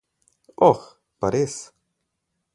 Oh, pa res.